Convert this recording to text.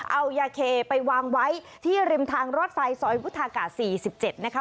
เอายาเคไปวางไว้ที่ริมทางรถไฟซอยวุฒากาศ๔๗นะคะ